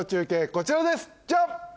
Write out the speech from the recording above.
こちらですジャン！